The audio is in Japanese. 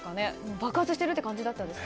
爆発しているっていう感じだったんですか？